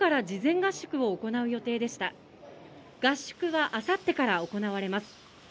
合宿はあさってから行われます。